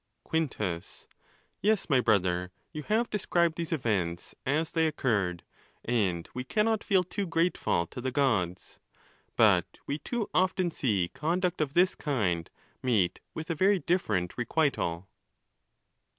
Quintus.—Yes, my brother, you have described these events as they occurred, and we cannot feel too grateful to the Gods ; but we too often see conduct of this kind meet with a very different requital.